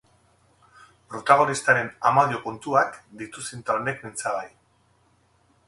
Protagonistaren amodio-kontuak ditu zinta honek mintzagai.